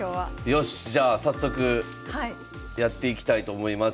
よしじゃあ早速やっていきたいと思います。